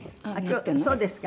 そうですか。